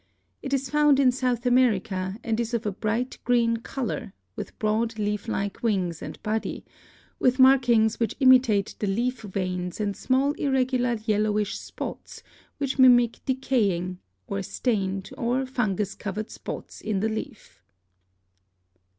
It is found in South America and is of a bright green color, with broad leaf like wings and bo3y, with markings which imitate the leaf veins and small irregular yellowish spots which mimic decaying, or stained, or fungus covered spots in the leaf.